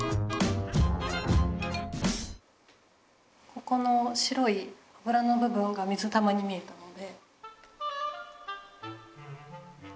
ここの白いあぶらの部分が水玉に見えたので。